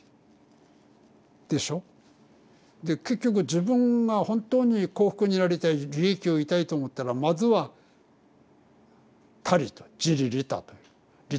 でしょ？で結局自分が本当に幸福になりたい利益を得たいと思ったらまずは他利と自利利他という「利他」他を利することだ。